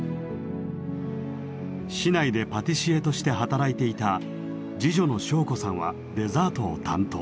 市内でパティシエとして働いていた次女の正子さんはデザートを担当。